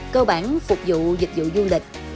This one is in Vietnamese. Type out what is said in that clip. cơ bản phục vụ dịch vụ du lịch